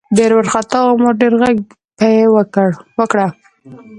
ډېر ورخطا وو ما ډېر غږ پې وکړه .